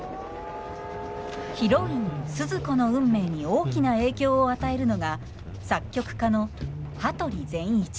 ヒロインスズ子の運命に大きな影響を与えるのが作曲家の羽鳥善一。